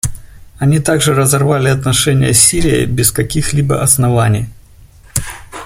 Они также разорвали отношения с Сирией без каких-либо оснований.